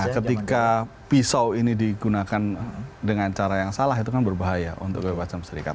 ketika pisau ini digunakan dengan cara yang salah itu kan berbahaya untuk kebacaan serikat